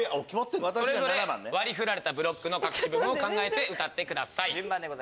それぞれ割り振られたブロックの隠し部分を考えて歌ってください。